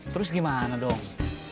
terus gimana dong